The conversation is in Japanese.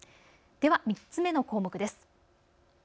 では３つ目の項目です。